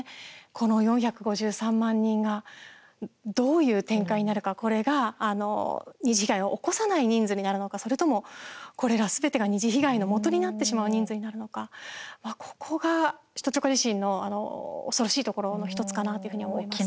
この４５３万人がどういう展開になるかこれが二次被害を起こさない人数になるのかそれとも、これらすべてが二次被害のもとになってしまう人数になるのか、ここが首都直下地震の恐ろしいところの１つかなと思います。